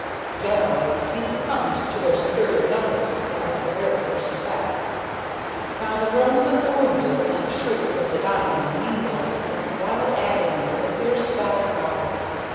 Generally he succumbed to their superior numbers at the very first attack. Now the groans of the wounded and the shrieks of the dying mingled in wild agony with the fierce battle cries.